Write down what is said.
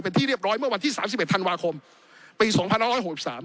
เป็นที่เรียบร้อยเมื่อวันที่๓๑ธันวาคมปี๒๑๖๓